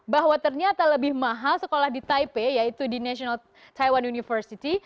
bahwa ternyata lebih mahal sekolah di taipei yaitu di national taiwan university